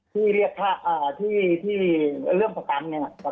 คือเรื่องประกัน